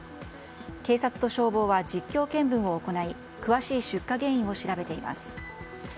警察と消防は実況見分を行い詳しい出火原因を調べています。